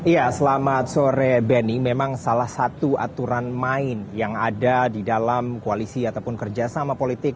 ya selamat sore benny memang salah satu aturan main yang ada di dalam koalisi ataupun kerjasama politik